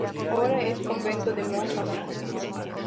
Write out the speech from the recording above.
Ahora es convento de monjas.